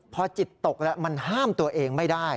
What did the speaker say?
พอจิตตกแล้วมันห้ามตัวเองไม่ได้